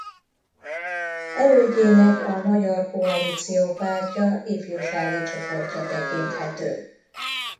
Elődjének a Magyar Koalíció Pártja Ifjúsági Csoportja tekinthető.